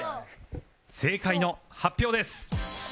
正解の発表です